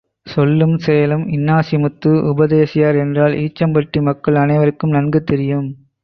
சொல்லும் செயலும் இன்னாசிமுத்து உபதேசியார் என்றால் ஈச்சம்பட்டி மக்கள் அனைவர்க்கும் நன்கு தெரியும்.